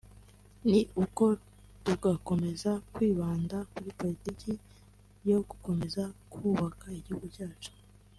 ni uko tugakomeza kwibanda kuri politiki yo gukomeza kubaka igihugu cyacu